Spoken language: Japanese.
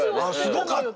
すごかった。